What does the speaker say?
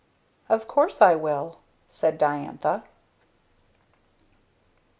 "Of course I will," said Diantha.